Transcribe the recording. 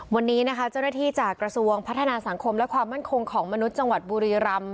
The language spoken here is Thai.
วันนี้นะคะเจ้าหน้าที่จากกระทรวงพัฒนาสังคมและความมั่นคงของมนุษย์จังหวัดบุรีรำ